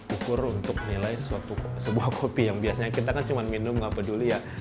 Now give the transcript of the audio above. ukur untuk nilai sebuah kopi yang biasanya kita kan cuma minum gak peduli ya